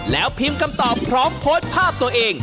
แล้วพิมพ์คำตอบพร้อมโพสต์ภาพตัวเอง